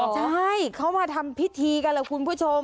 ใช่เขามาทำพิธีกันล่ะคุณผู้ชม